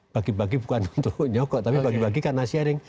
bagi bagi bukan untuk nyokok tapi bagi bagi karena sharing